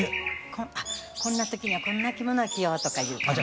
こんな時にはこんな着物を着ようとかいう感じで。